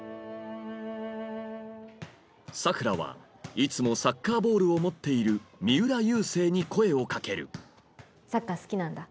佐倉はいつもサッカーボールを持っている三浦佑星に声を掛けるサッカー好きなんだ？